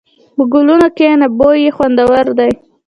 په ګلونو کښېنه، بوی یې خوندور دی.